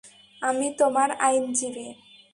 আমি তোমার আইনজীবী।